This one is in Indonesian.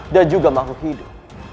dan juga makhluk hidup